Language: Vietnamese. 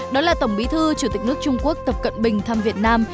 đó là tổng bí thư chủ tịch nước trung quốc tập cận bình thăm việt nam